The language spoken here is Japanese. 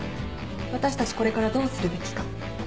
私たちこれからどうするべきか。